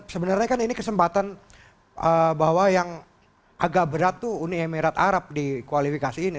sebenarnya kan ini kesempatan bahwa yang agak berat tuh uni emirat arab di kualifikasi ini